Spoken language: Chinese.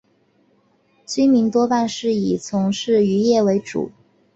居民多半是以从事渔业为主。